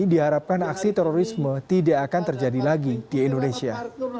diharapkan aksi terorisme tidak akan terjadi lagi di indonesia